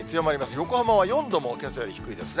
横浜は４度もけさより低いですね。